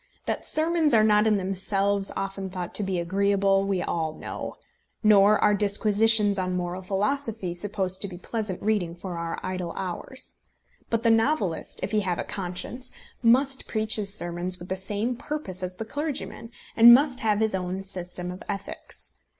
That sermons are not in themselves often thought to be agreeable we all know. Nor are disquisitions on moral philosophy supposed to be pleasant reading for our idle hours. But the novelist, if he have a conscience, must preach his sermons with the same purpose as the clergyman, and must have his own system of ethics.